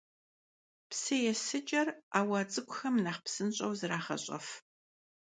Psı yêsıç'er 'eua ts'ınexem nexh tınşşu zerağeş'ef.